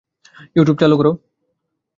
YouTube চালু করো।